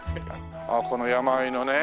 この山あいのね。